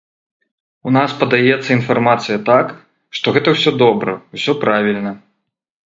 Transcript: У нас падаецца інфармацыя так, што гэта ўсё добра, усё правільна.